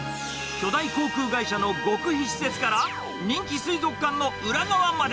巨大航空会社の極秘施設から、人気水族館の裏側まで。